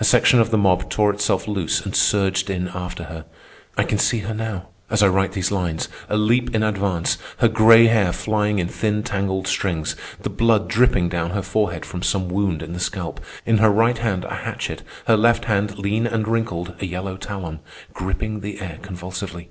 A section of the mob tore itself loose and surged in after her. I can see her now, as I write these lines, a leap in advance, her gray hair flying in thin tangled strings, the blood dripping down her forehead from some wound in the scalp, in her right hand a hatchet, her left hand, lean and wrinkled, a yellow talon, gripping the air convulsively.